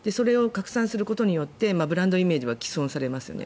それを拡散することによってブランドイメージが毀損されますよね。